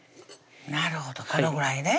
なるほどこのぐらいね